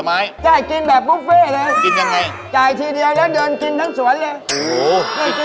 มีอะไรดี